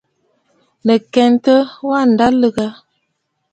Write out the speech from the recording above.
Nɨ̀ kɛntə, wâ ǹda lɨgə.